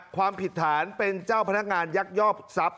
ความผิดฐานเป็นเจ้าพนักงานยักยอกทรัพย